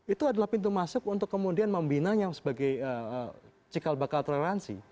itu adalah pintu masuk untuk kemudian membinanya sebagai cikal bakal toleransi